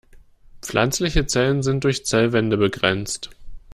Pflanzliche Zellen sind durch Zellwände begrenzt.